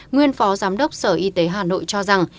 nguyên phó giám đốc sở y tế hà nội cho rằng